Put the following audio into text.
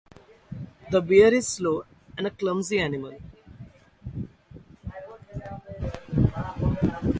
The bear is a slow and clumsy animal.